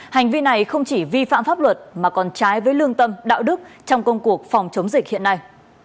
hành vi này không chỉ vi phạm pháp luật mà còn trái với lương tâm đạo đức trong công cuộc phòng chống dịch hiện nay